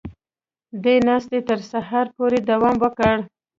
دې ناستې تر سهاره پورې دوام وکړ